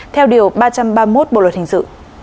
theo điều ba trăm ba mươi một bộ luật hình sự